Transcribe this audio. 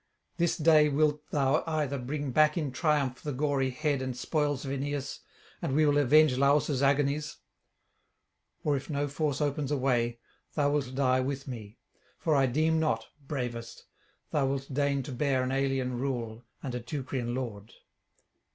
This day wilt thou either bring back in triumph the gory head and spoils of Aeneas, and we will avenge Lausus' agonies; or if no force opens a way, thou wilt die with me: for I deem not, bravest, thou wilt deign to bear an alien rule and a Teucrian lord.'